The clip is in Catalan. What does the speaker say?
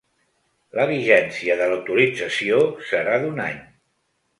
La vigència de l’autorització serà d’un any.